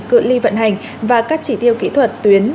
cưỡng ly vận hành và các chỉ tiêu kỹ thuật tuyến